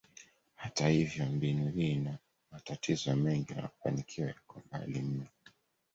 Hata hivyo, mbinu hii ina matatizo mengi na mafanikio yako mbali mno.